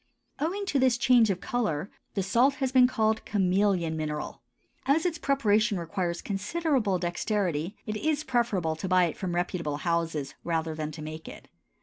Owing to this change of color the salt has been called chameleon mineral. As its preparation requires considerable dexterity, it is preferable to buy it from reputable houses, rather than to make it.